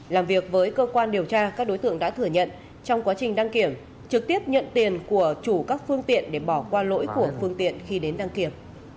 làm việc với cơ quan điều tra các đối tượng đã thừa nhận trong quá trình đăng kiểm trực tiếp nhận tiền của chủ các phương tiện để bỏ qua lỗi của phương tiện khi đến đăng kiểm